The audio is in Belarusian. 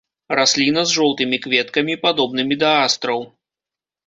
Расліна з жоўтымі кветкамі падобнымі да астраў.